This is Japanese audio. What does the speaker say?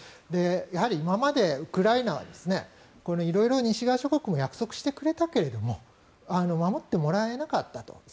やはり今までウクライナは色々、西側諸国も約束してくれたけれども守ってもらえなかったと。